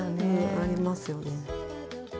ありますよね。